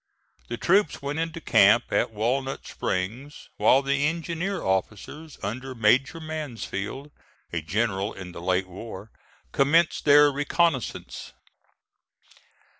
The troops went into camp at Walnut Springs, while the engineer officers, under Major Mansfield a General in the late war commenced their reconnoissance.